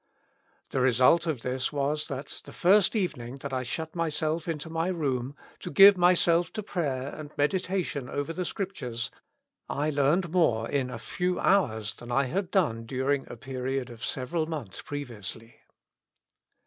" The result of this was, that the first evening that I shut my self into my room, to give myself to prayer and meditation over the Scriptures, I learned more in a few hours than I had done during a period of several months previously.